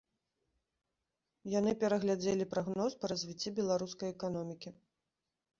Яны перагледзелі прагноз па развіцці беларускай эканомікі.